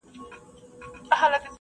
چیري هغه اوږده پاڼه ډنډ ته وړي؟